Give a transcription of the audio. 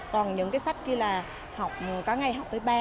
còn những cái sách kia là có ngày học với ba